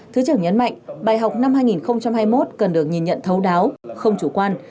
thứ trưởng nhấn mạnh bài học năm hai nghìn hai mươi một cần được nhìn nhận thấu đáo không chủ quan